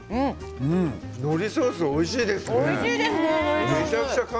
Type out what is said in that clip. のりソースおいしいですね。